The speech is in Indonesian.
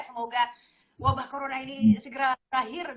semoga wabah corona ini segera berakhir